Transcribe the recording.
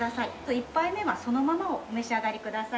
１杯目はそのままをお召し上がりください。